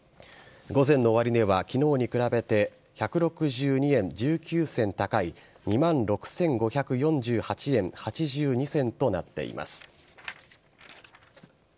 午前の終値は昨日に比べて１６２円１９銭高い２万６５４８円８２銭となっています。